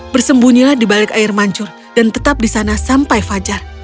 bersembunyilah di balik air mancur dan tetap di sana sampai fajar